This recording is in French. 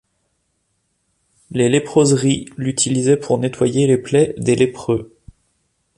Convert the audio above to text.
Les léproseries l'utilisaient pour nettoyer les plaies des lépreux.